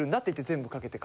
全部かけて。